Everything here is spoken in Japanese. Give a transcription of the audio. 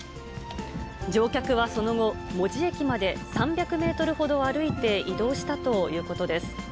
乗客はその後、門司駅まで３００メートルほど歩いて移動したということです。